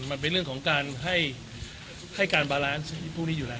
มันเป็นเรื่องของการให้การบาลานซ์พวกนี้อยู่แล้ว